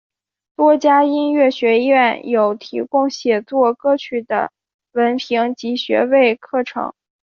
多家音乐学院有提供写作歌曲的文凭及学位课程。